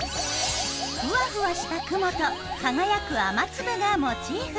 ふわふわした雲と輝く雨粒がモチーフ。